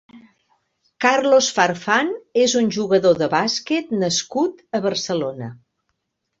Carlos Farfán és un jugador de bàsquet nascut a Barcelona.